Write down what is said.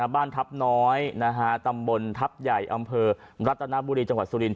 บ้านทัพน้อยตำบลทัพใหญ่อำเภอรัตนบุรีจังหวัดสุรินท